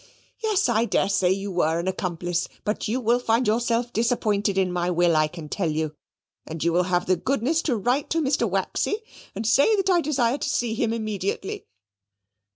Yes, I daresay you were an accomplice. But you will find yourself disappointed in my will, I can tell you: and you will have the goodness to write to Mr. Waxy, and say that I desire to see him immediately."